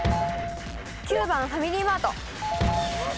９番ファミリーマート。